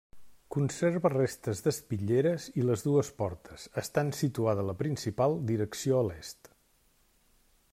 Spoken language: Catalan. Conserva restes d'espitlleres i les dues portes, estant situada la principal direcció a l'est.